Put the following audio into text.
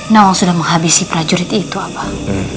nawal sudah menghabisi prajurit itu abah